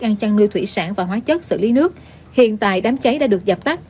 ăn chăn nuôi thủy sản và hóa chất xử lý nước hiện tại đám cháy đã được dập tắt